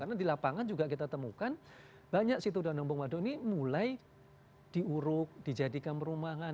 karena di lapangan juga kita temukan banyak situ danau embung waduk ini mulai diuruk dijadikan perumahan